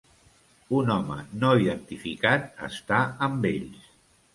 Un home no identificat està amb ells.